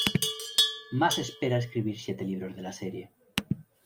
Maas espera escribir siete libros de la serie.